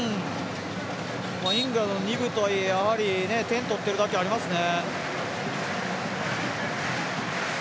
イングランドの２部とはいえ点取ってるだけありますね。